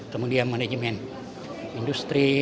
kemudian manajemen industri